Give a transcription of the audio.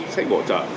sách bổ trợ